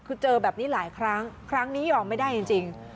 คือเจอแบบนี้หลายครั้งครั้งนี้ยอมไม่ได้จริง